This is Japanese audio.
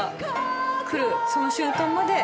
くるその瞬間まで